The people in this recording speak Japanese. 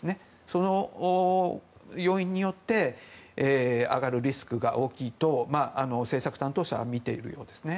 その要因によって上がるリスクが大きいと政策担当者は見ているようですね。